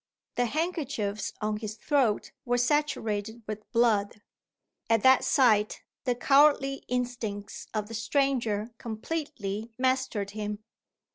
The handkerchiefs on his throat were saturated with blood. At that sight, the cowardly instincts of the stranger completely mastered him.